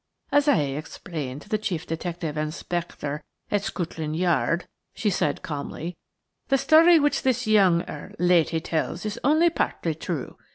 "As I explained to the chief detective inspector at Scotland Yard," she said calmly, "the story which this young–er–lady tells is only partly true.